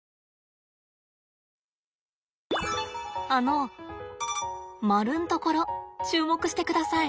あの丸んところ注目してください。